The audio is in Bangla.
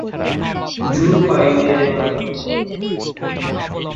জোর পাই নে যে মনে।